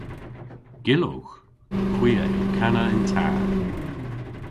Gyllowgh. Hwi a yll kana yn ta.